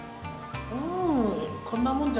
うん。